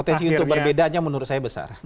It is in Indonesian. potensi untuk berbedanya menurut saya besar